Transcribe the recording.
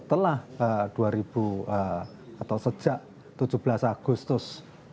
tahun emisinya itu setelah dua ribu atau sejak tujuh belas agustus dua ribu empat belas